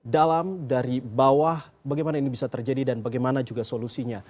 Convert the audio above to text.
dalam dari bawah bagaimana ini bisa terjadi dan bagaimana juga solusinya